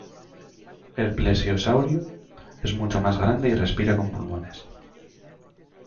El plesiosaurio es mucho más grande y respira con pulmones.